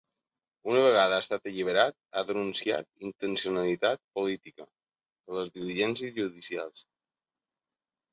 Una vegada ha estat alliberat, ha denunciat ‘intencionalitat política’ en les diligències judicials.